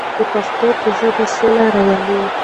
د پښتو په ژبه سوله راولو.